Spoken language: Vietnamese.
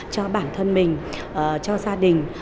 cho bản thân mình cho gia đình